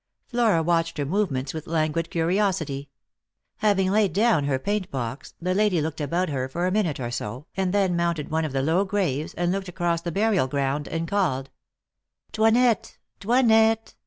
Flara watched her movements with languid curiosity. Having laid down her paint box, the lady looked about her for a minute or so, and then mounted one of the low graves, and looked across the burial ground, and called, " Toinette, Toinette